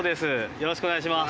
よろしくお願いします。